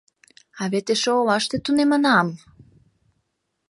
А вет эше олаште тунемынам!